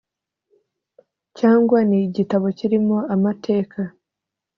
cyangwa ni igitabo kirimo amateka